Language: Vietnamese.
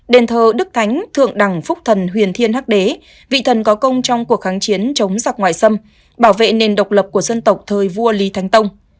đền thờ đức thánh thượng đẳng phúc thần huyền thiên hắc đế vị thần có công trong cuộc kháng chiến chống giặc ngoại xâm bảo vệ nền độc lập của dân tộc thời vua lý thánh tông